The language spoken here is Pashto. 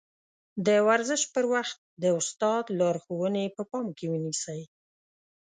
د ورزش پر وخت د استاد لارښوونې په پام کې ونيسئ.